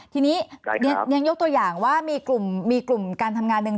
ทีนี้เนี่ยยกตัวอย่างว่ามีกลุ่มการทำงานหนึ่ง